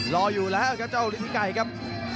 รออยู่แล้วครับเจ้าฤทธิไก่ครับ